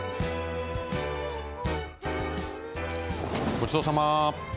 ごちそうさま。